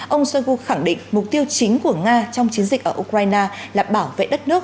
ông shoigu khẳng định mục tiêu chính của nga trong chiến dịch ở ukraine là bảo vệ đất nước